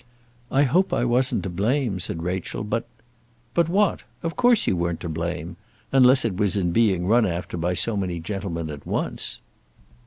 "I hope I wasn't to blame," said Rachel. "But " "But what? Of course you weren't to blame; unless it was in being run after by so many gentlemen at once."